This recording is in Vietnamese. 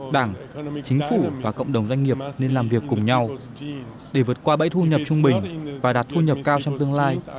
đảng chính phủ và cộng đồng doanh nghiệp nên làm việc cùng nhau để vượt qua bẫy thu nhập trung bình và đạt thu nhập cao trong tương lai